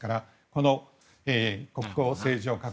この国交正常化